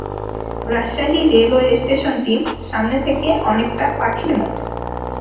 Rajshahi railway স্টেশনটি সামনে থেকে অনেকটা পাখির মতো।